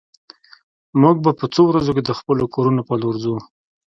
موږ به په څو ورځو کې د خپلو کورونو په لور ځو